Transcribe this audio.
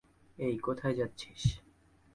এই, কোথায় যাচ্ছিস?